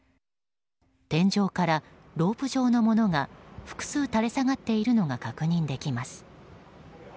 天井からロープ状のものが複数、垂れ下がっているのが確認できます。